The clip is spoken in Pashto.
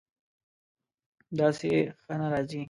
داسې ښه نه راځي